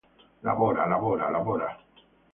«Lavora, lavora, lavora!